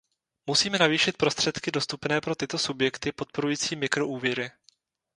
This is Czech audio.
Musíme navýšit prostředky dostupné pro tyto subjekty podporující mikroúvěry.